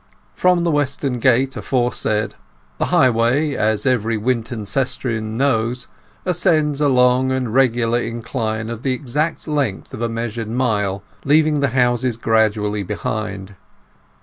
From the western gate aforesaid the highway, as every Wintoncestrian knows, ascends a long and regular incline of the exact length of a measured mile, leaving the houses gradually behind.